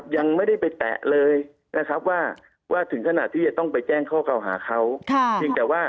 ยังไม่ได้ไปแตะเลยว่าถึงขณะที่จะต้องไปแจ้งข้อเก่าหาเขา